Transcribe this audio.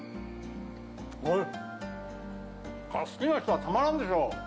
好きな人はたまらんでしょう。